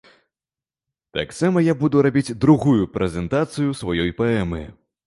Таксама я буду рабіць другую прэзентацыю сваёй паэмы.